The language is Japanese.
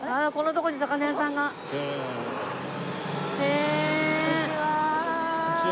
こんにちは。